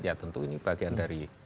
ya tentu ini bagian dari